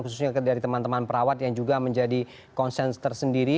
khususnya dari teman teman perawat yang juga menjadi konsen tersendiri